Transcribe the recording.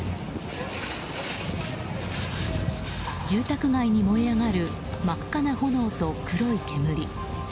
住宅街に燃え上がる真っ赤な炎と黒い煙。